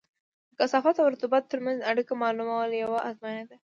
د کثافت او رطوبت ترمنځ اړیکه معلومول یوه ازموینه ده